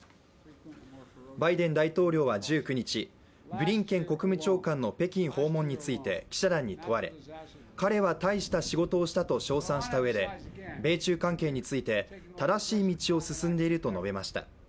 バイデン大統領は１９日ブリンケン国務長官の北京訪問について記者団に問われ、彼は大した仕事をしたと称賛したうえで米中関係について正しい道を進んでいると述べました。